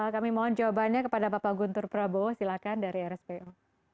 kami mohon jawabannya kepada bapak guntur prabowo silakan dari rspo